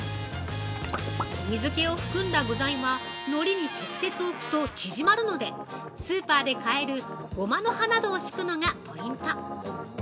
水気を含んだ具材はのりに直接置くと縮まるのでスーパーで買えるごまの葉などを敷くのがポイント。